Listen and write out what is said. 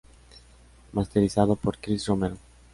Masterizado por Cris Romero.